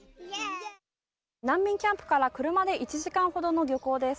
難民キャンプから車で１時間ほどの漁港です。